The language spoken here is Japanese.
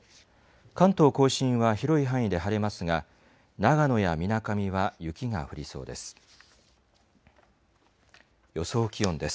関東甲信は広い範囲で晴れますが、長野やみなかみは雪が降りそうです。